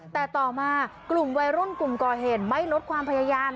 แต่ต่อมากลุ่มวัยรุ่นกลุ่มก่อเหตุไม่ลดความพยายาม